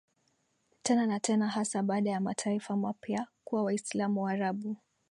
tena na tena hasa baada ya mataifa mapya kuwa Waislamu Waarabu